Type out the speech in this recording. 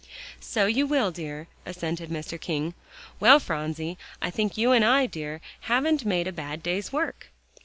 "So you will, dear," assented Mr. King. "Well, Phronsie, I think you and I, dear, haven't made a bad day's work."